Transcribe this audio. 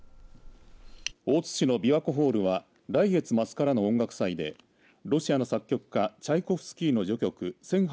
大津市のびわ湖ホールは来月末からの音楽祭でロシアの作曲家チャイコフスキーの序曲